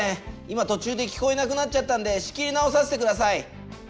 今とちゅうで聞こえなくなっちゃったんで仕切りなおさせてください。